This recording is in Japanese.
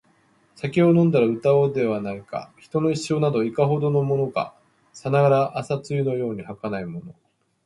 酒を飲んだら歌おうではないか／人の一生など、いかほどのものか／さながら朝露のように儚いもの